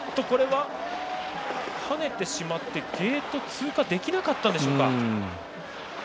これは、はねてしまってゲートを通過できなかったんでしょうか。